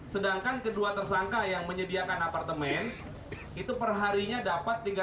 sedangkan kedua tersangka yang menyediakan apartemen itu perharinya dapat tiga ratus